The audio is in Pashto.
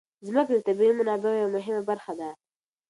ځمکه د طبیعي منابعو یوه مهمه برخه ده.